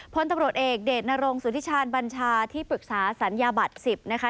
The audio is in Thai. พลตำรวจเอกเดชนรงสุธิชาญบัญชาที่ปรึกษาสัญญาบัตร๑๐นะคะ